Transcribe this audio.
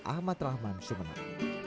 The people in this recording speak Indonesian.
ahmad rahman sumeneb